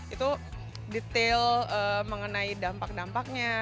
itu detail mengenai dampak dampaknya